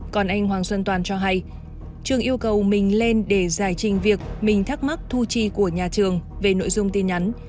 còn anh hoàng xuân toàn cho hay trường yêu cầu mình lên để giải trình việc mình thắc mắc thu chi của nhà trường về nội dung tin nhắn